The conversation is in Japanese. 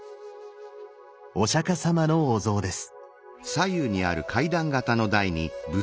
お釈様のお像です。